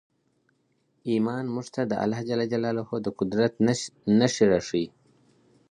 ایمان موږ ته د الله د قدرت نښې راښیي.